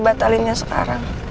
makasih ya sayang